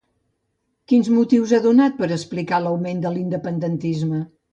Quins motius ha donat per explicar l'augment de l'independentisme?